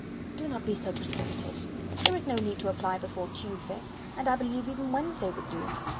"Do not be so precipitate; there is no need to apply before Tuesday, and I believe even Wednesday would do.